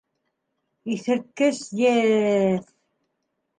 Иҫерткес еҫ!